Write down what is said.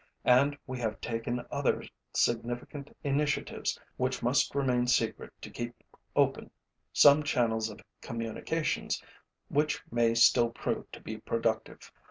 And we have taken other significant initiatives which must remain secret to keep open some channels of communications which may still prove to be productive.